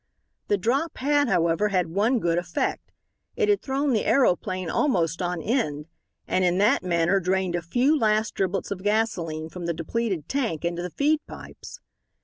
The drop had, however, had one good effect. It had thrown the aeroplane almost on end, and in that manner drained a few last driblets of gasolene from the depleted tank into the feed pipes.